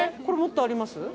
これもっとあります？